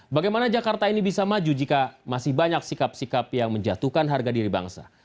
bagaimana jakarta ini bisa maju jika masih banyak sikap sikap yang menjatuhkan harga diri bangsa